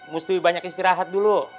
mesti banyak istirahat dulu